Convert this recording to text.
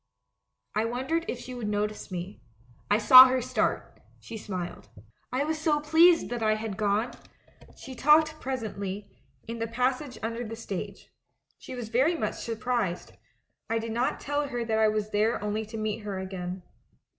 "I wondered if she would notice me. I saw her start — she smiled. I was so pleased that I had gonel We talked presently, in the passage un der the stage. She was very much surprised; I did not tell her that I was there only to meet her again.